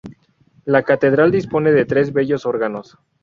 La Catedral dispone de tres bellos órganos.